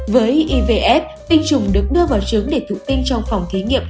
với ivf tinh trùng được đưa vào trứng để thụ tinh trong phòng thí nghiệm